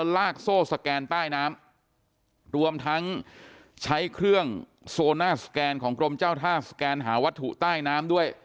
ลากโซ่สแกนใต้น้ำรวมทั้งใช้เครื่องโซน่าสแกนของกรมเจ้าท่าสแกนหาวัตถุใต้น้ำด้วย